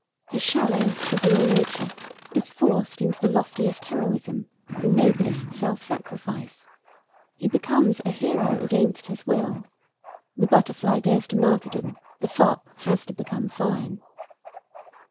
His shallow, trivial nature is forced into the loftiest heroism, the noblest self sacrifice. He becomes a hero against his will. The butterfly goes to martyrdom, the fop has to become fine.